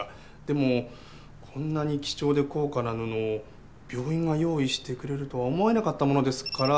でもこんなに貴重で高価な布を病院が用意してくれるとは思えなかったものですから。